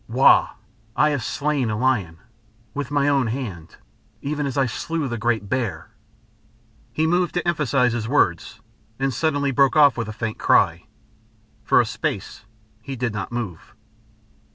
"Wau! I have slain a lion. With my own hand. Even as I slew the great bear." He moved to emphasise his words, and suddenly broke off with a faint cry. For a space he did not move.